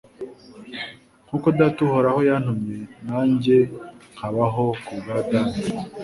Nk'uko Data uhoraho yantumye, nanjye nkabaho kubwa Data,